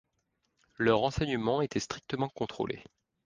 Leur enseignement était strictement contrôlé.